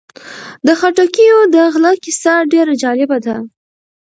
د خټکیو د غله کیسه ډېره جالبه ده.